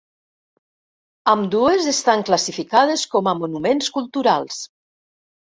Ambdues estan classificades com a monuments culturals.